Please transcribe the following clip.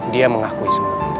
dia mengakui semua itu